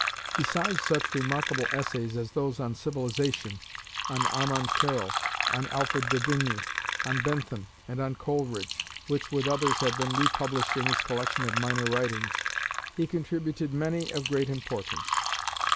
Besides such remarkable essays as those on Civilization, on Armand Carrel, on Alfred de Vigny, on Bentham, and on Coleridge, which, with others, have been republished in his collection of minor writings, he contributed many of great importance.